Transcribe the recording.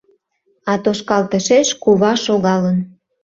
А тошкалтышеш кува шогалын